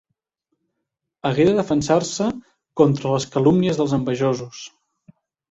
Hagué de defensar-se contra les calúmnies dels envejosos.